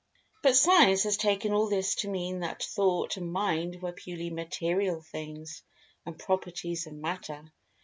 But, Science has taken all this to mean that Thought and Mind were purely material things,[Pg 215] and properties of Matter.